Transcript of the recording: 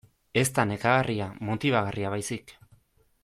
Ez da nekagarria, motibagarria baizik.